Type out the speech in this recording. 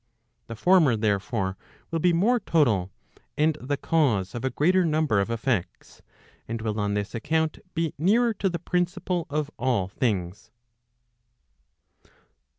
The former therefore, will be more total, and the cause of a greater number of effects, and will on this account be nearer to the principle of all things.